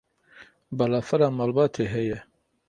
Balafira malbatê heye?